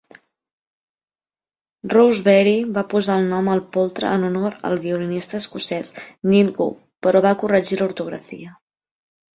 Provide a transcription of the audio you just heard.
Rosebery va posar el nom al poltre en honor al violinista escocès Niel Gow però va "corregir" l'ortografia.